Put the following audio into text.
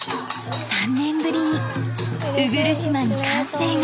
３年ぶりに鵜来島に歓声が。